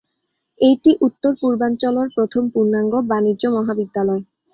এইটি উত্তর-পূর্বাঞ্চলর প্রথম পূর্ণাঙ্গ বাণিজ্য মহাবিদ্যালয়।